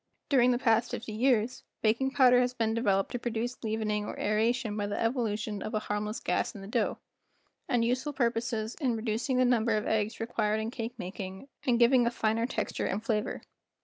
During the past fifty years, baking powder has been developed to produce leavening or aeration by the evolution of a harmless gas in the dough, and useful purposes in reducing the number of eggs required in cake making and giving a finer texture and flavor.